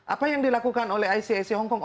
apa yang dilakukan oleh icac hongkong